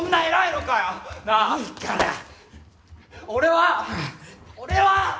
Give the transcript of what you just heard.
俺は俺は！